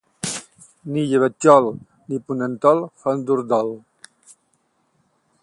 Ni llebetjol ni ponentol fan dur dol.